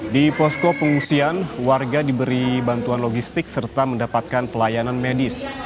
di posko pengungsian warga diberi bantuan logistik serta mendapatkan pelayanan medis